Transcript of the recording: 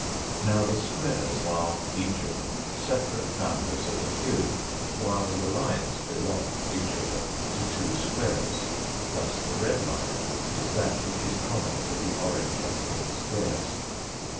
Now the squares are each of them separate boundaries of the cube, while the lines belong, each of them, to two squares, thus the red line is that which is common to the orange and pink squares.